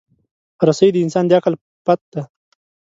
رسۍ د انسان د عقل پُت دی.